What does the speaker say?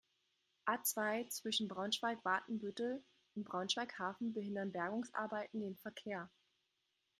A-zwei, zwischen Braunschweig-Watenbüttel und Braunschweig-Hafen behindern Bergungsarbeiten den Verkehr.